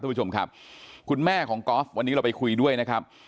คุณผู้ชมครับคุณแม่ของกอล์ฟวันนี้เราไปคุยด้วยนะครับ